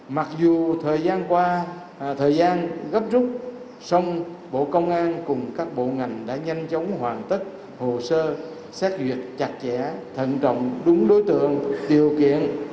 mặc dù thời gian qua thời gian gấp rút xong bộ công an cùng các bộ ngành đã nhanh chóng hoàn tất hồ sơ xét duyệt chặt chẽ thận trọng đúng đối tượng điều kiện